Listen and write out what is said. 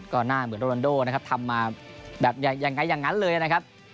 ก็หน้าเหมือนโรลันโดนะครับทำมาแบบยังไงอย่างนั้นเลยนะครับ